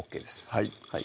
はい